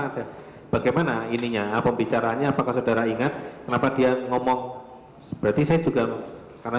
ada bagaimana ininya pembicaranya apakah saudara ingat kenapa dia ngomong berarti saya juga karena